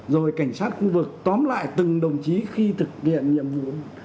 rồi cảnh sát khu vực tóm lại từng đồng chí khi thực hiện nhiệm vụ